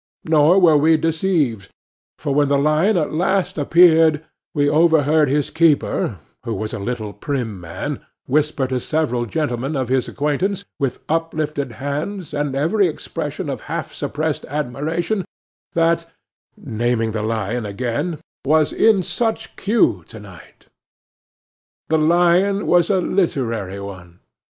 Nor were we deceived; for when the lion at last appeared, we overheard his keeper, who was a little prim man, whisper to several gentlemen of his acquaintance, with uplifted hands, and every expression of half suppressed admiration, that—(naming the lion again) was in such cue to night! The lion was a literary one.